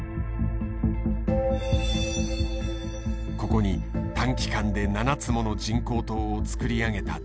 ここに短期間で７つもの人工島を造り上げた中国。